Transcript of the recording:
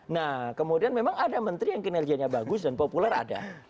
nah kemudian memang ada menteri yang kinerjanya bagus dan populer ada